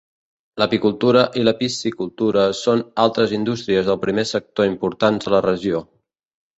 L'apicultura i la piscicultura són altres indústries del primer sector importants a la regió.